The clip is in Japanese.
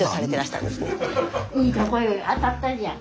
いいとこへ当たったじゃん。